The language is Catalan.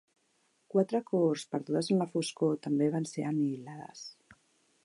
Quatre cohorts perdudes en la foscor també van ser anihilades.